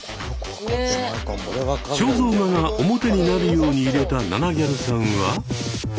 肖像画が表になるように入れたななギャルさんは。